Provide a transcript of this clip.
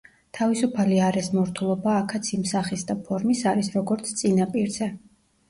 თავისუფალი არეს მორთულობა აქაც იმ სახის და ფორმის არის, როგორც წინა პირზე.